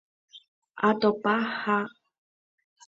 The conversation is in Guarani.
atopa la ahayhúva ko morena sái puku